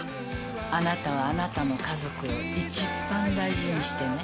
あなたはあなたの家族をいちばん大事にしてね。